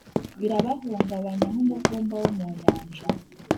birabahungabanya nk’umuvumba wo mu nyanja;